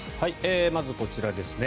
まずはこちらですね。